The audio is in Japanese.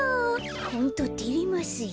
ホントてれますよ。